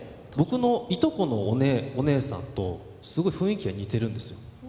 僕のいとこのお姉さんとすごい雰囲気が似てるんですよ